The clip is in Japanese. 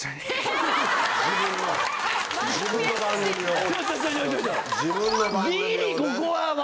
自分の番組をね。